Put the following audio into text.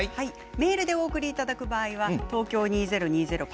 メールでお寄せいただく場合は東京２０２０